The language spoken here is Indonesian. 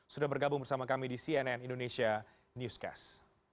sudah bergabung bersama kami di cnn indonesia newscast